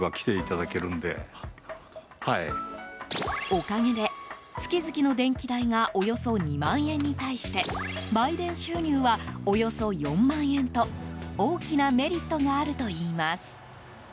おかげで、月々の電気代がおよそ２万円に対して売電収入は、およそ４万円と大きなメリットがあるといいます。